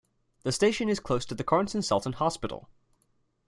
The station is close to the "Corentin Celton Hospital".